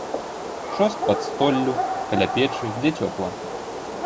Шост пад столлю, каля печы, дзе цёпла.